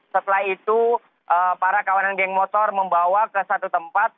setelah itu para kawanan geng motor membawa ke satu tempat